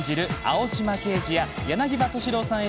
青島刑事や柳葉敏郎さん